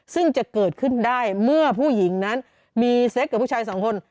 ซึ่งจะเกิดขึ้นได้เมื่อผู้หญิงนั้นมีเซ็กกับผู้ชายสองคน